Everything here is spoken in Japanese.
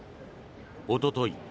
おととい